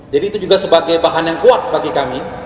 jadi itu juga sebagai bahan yang kuat bagi kami